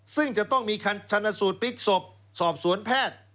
ซึ่งจะต้องมีชันสูตรพลิกศพสอบสวนแพทย์